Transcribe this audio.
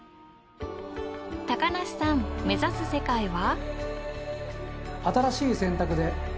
高梨さん目指す世界は？